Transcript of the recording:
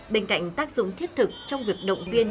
bên cạnh tác dụng thiết thực trong việc động viên